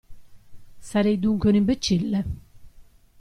Sarei dunque un imbecille?